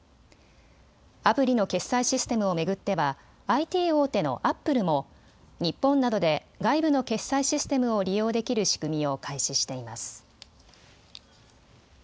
アプリの決済システムを巡ってはＩＴ大手のアップルも日本などで外部の決済システムを利用できる仕組みを開始しています。